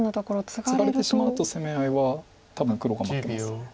ツガれてしまうと攻め合いは多分黒が負けです。